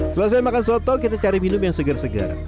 selesai makan soto kita cari minum yang segar segar